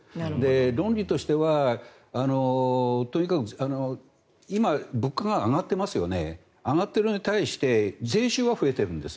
道義としてはとにかく物価が上がってますよね上がっているのに対して税収は増えているんです。